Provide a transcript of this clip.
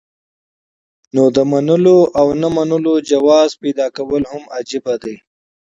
نو د منلو او نۀ منلو جواز پېدا کول هم عجيبه ده